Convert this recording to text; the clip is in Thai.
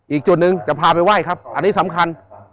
อีกจุดหนึ่งจะพาไปไหว้ครับอันนี้สำคัญ